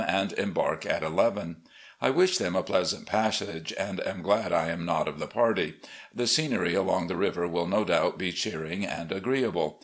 and embark at eleven. I wish them a pleasant passage and am glad I am not of the party. The scenery along the river will no doubt be cheering and agreeable.